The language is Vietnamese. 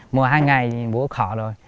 mùa hai ngày thì bố khỏi rồi